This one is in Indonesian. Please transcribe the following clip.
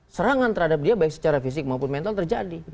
serangan terhadap dia baik secara fisik maupun mental terjadi